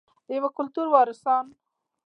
د یو کلتور وارثان.